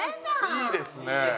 いいですね。